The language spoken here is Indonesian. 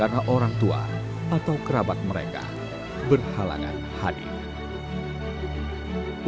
karena orang tua atau kerabat mereka mereka tidak bisa menemukan kekuatan mereka